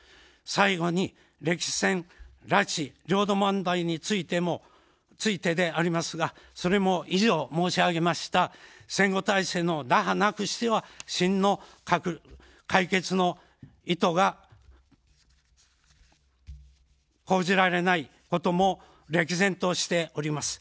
最後に歴史戦、拉致、領土問題についてでありますが、それも以上申し上げました戦後体制の打破なくしては真の解決の意図が講じられないことも歴然としております。